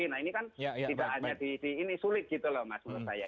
nah ini kan tidak hanya di ini sulit gitu loh mas menurut saya